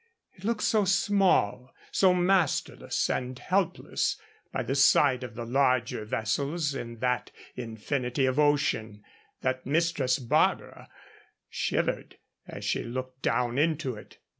It looked so small, so masterless and helpless, by the side of the larger vessels in that infinity of ocean, that Mistress Barbara shivered as she looked down into it.